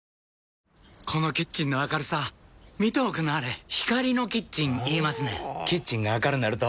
このキッチンの明るさ見ておくんなはれ光のキッチン言いますねんほぉキッチンが明るなると・・・